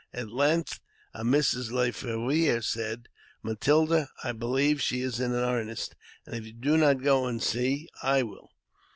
At length a Mrs. Le Fevre said, " Matilda, I believe she is in earnest, and if you do not go and see, I will."